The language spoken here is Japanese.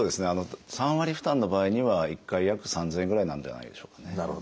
３割負担の場合には１回約３，０００円ぐらいなんじゃないでしょうかね。